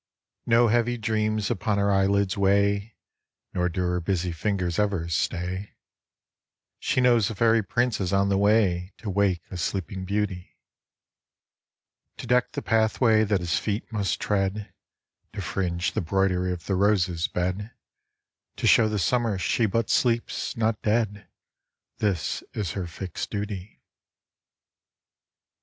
No heavy dreams upon her eyelids weigh, Nor do her busy fingers ever stay ; She knows a fairy prince is on the way To wake a sleeping beauty. A RAINY DAY IN APRIL 41 To deck the pathway that his feet must tread, To fringe the 'broidery of the roses' bed, To show the Summer she but sleeps, — not dead. This is her fixed duty.